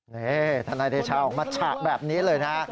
นี่ธนาคดีเช้ามาจากแบบนี้เลยนะ